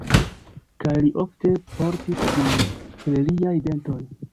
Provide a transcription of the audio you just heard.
Kaj li ofte portis ĝin per liaj dentoj.